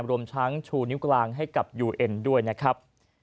รวมทั้งชูนิ้วกลางให้กับยูเอ็นด้วยนะครับ